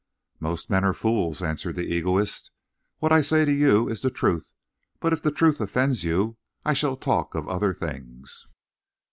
"Most men are fools," answered the egoist. "What I say to you is the truth, but if the truth offends you I shall talk of other things."